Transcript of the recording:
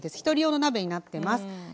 １人用の鍋になってます。